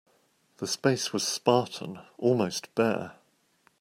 The space was spartan, almost bare.